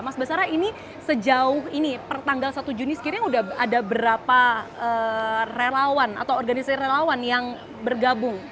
mas basara ini sejauh ini pertanggal satu juni sekiranya sudah ada berapa relawan atau organisasi relawan yang bergabung